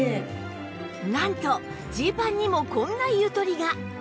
なんとジーパンにもこんなゆとりが！